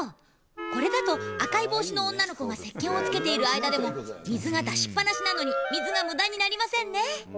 これだと、赤い帽子の女の子がせっけんをつけている間でも水が出しっ放しなのに、水がむだになりませんね。